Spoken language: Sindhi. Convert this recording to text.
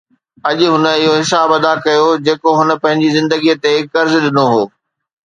اڄ هن اهو حساب ادا ڪيو جيڪو هن پنهنجي زندگي تي قرض ڏنو هو